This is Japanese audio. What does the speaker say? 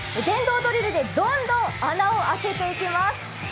電動ドリルでどんどん穴を開けていきます。